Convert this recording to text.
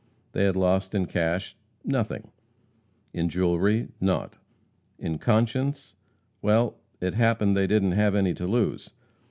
They had lost in cash nothing; in jewelry naught; in conscience well, it happened they didn't have any to lose.